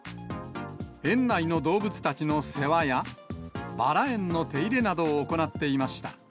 園内の動物たちの世話や、バラ園の手入れなどを行っていました。